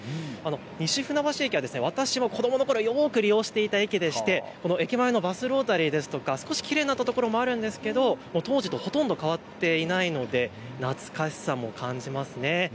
西船橋駅は私も子どものころよく利用していた駅でして駅前のバスロータリーですとか少しきれいになったところもあるんですが当時とほとんど変わっていないので懐かしさも感じます。